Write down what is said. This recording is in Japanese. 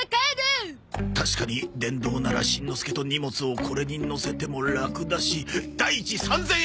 確かに電動ならしんのすけと荷物をこれに乗せてもラクだし第一３０００